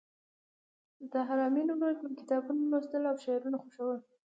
د طاهر آمین ورور به کتابونه لوستل او شعرونه خوښول